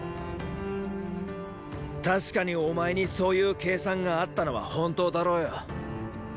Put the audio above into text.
確かにお前にそういう計算があったのは本当だろうよ。